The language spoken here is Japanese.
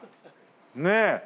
ねえ！